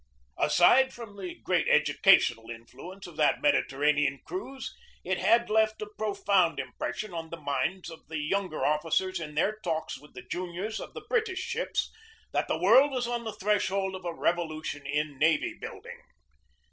Aside from the great educational influence of that Mediterranean cruise, it had left a profound 32 GEORGE DEWEY impression on the minds of the younger officers in their talks with the juniors of the British ships that the world was on the threshold of a revolution in navy building.